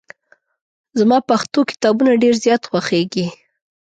زما پښتو کتابونه ډېر زیات خوښېږي.